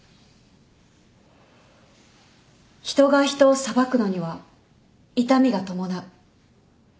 人が人を裁くのには痛みが伴う。